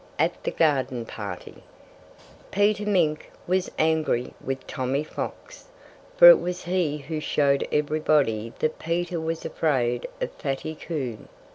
AT THE GARDEN PARTY Peter Mink was angry with Tommy Fox; for it was he who showed everybody that Peter was afraid of Fatty Coon.